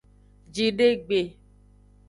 Jidegbe.